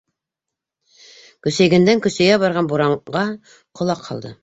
Көсәйгәндән-көсәйә барған буранға ҡолаҡ һалды.